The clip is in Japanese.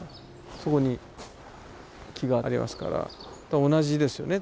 そこに木がありますから同じですよね。